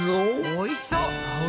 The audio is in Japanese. おいしそう。